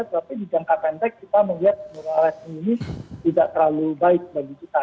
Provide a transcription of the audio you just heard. tapi di jangka pendek kita melihat penurunan respon ini tidak terlalu baik bagi kita